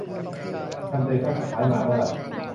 ประจำเดือนครั้งสุดท้ายมาเมื่อไหร่